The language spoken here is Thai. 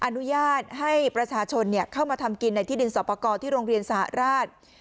อนุญาตให้ประชาชนเข้ามาทำกินในที่ดินสอบประกอบที่โรงเรียนสหราช